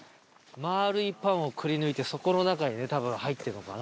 丸いパンをくりぬいてそこの中にね多分入ってるのかな。